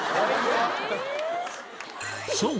そう！